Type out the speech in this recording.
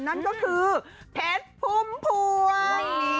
นั่นก็คือเพชรพุ่มพวง